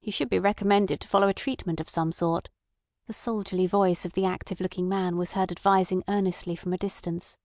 "He should be recommended to follow a treatment of some sort," the soldierly voice of the active looking man was heard advising earnestly from a distance.